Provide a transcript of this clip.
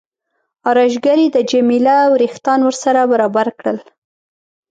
ارایشګرې د جميله وریښتان سره برابر کړل.